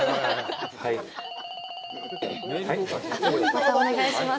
またお願いします。